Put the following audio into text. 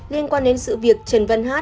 liên quan đến sự việc trần văn hát